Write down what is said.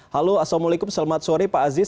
halo assalamualaikum selamat sore pak aziz